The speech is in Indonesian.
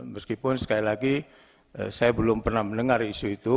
meskipun sekali lagi saya belum pernah mendengar isu itu